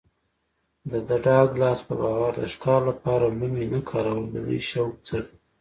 د ډاګلاس په باور د ښکار لپاره لومې نه کارول د دوی شوق څرګندوي